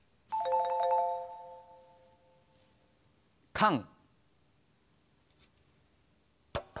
カン。